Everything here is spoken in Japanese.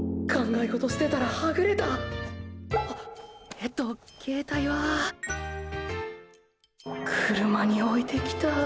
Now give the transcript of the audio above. えっと携帯は車に置いてきた！！